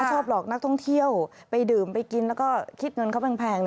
ชอบหลอกนักท่องเที่ยวไปดื่มไปกินแล้วก็คิดเงินเขาแพง